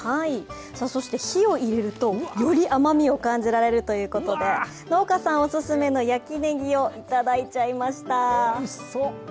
そして火を入れると、より甘みを感じられるということで、農家さんお勧めの焼きねぎをいただいちゃいました。